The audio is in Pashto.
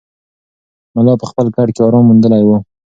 ملا په خپل کټ کې ارام موندلی و.